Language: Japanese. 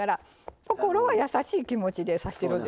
心は優しい気持ちで刺してるんです。